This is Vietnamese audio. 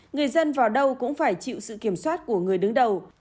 người dân vào đâu cũng phải chịu sự kiểm soát của người đứng đầu